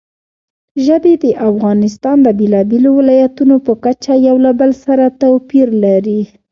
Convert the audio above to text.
ژبې د افغانستان د بېلابېلو ولایاتو په کچه یو له بل سره توپیر لري.